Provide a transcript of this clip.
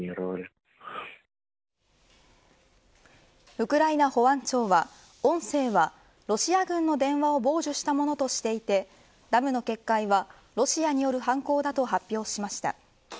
ウクライナ保安庁は音声はロシア軍の電話を傍受したものとしていてダムの決壊は、ロシアによる犯行だと発表しました。